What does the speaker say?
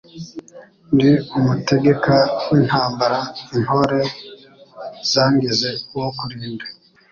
Ndi umutegeka w'intambara intore zangize uwo kulinda.